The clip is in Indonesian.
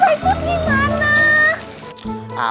nanti kalau susan di indonesia itu gimana